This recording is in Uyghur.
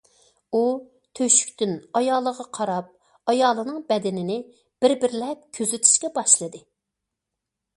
ئۇ تۆشۈكتىن ئايالىغا قاراپ ئايالىنىڭ بەدىنى بىر بىرلەپ كۆزىتىشكە باشلىدى.